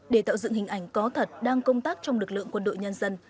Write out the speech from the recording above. để tạo dựng hình ảnh có thật đang công tác trong lực lượng quân đội nhân dân